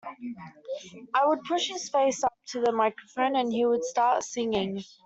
I would push his face up to the microphone and he would start singing.